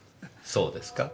そうですか？